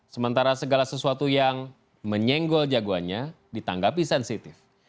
sementara segala sesuatu yang menyenggol jagoannya ditanggapi sensitif